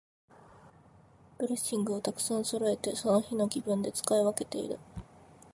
ドレッシングをたくさんそろえて、その日の気分で使い分けている。